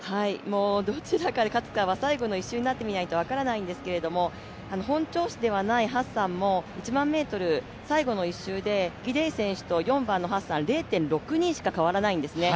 どちらかが勝つかは最後の一瞬になってみないと分からないんですが本調子ではないハッサンも１００００ｍ最後の１周でギデイ選手と４番のハッサン、０．６２しか変わらないんですね。